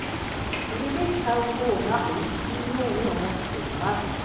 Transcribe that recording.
それで使うほうがおいしいように思っています。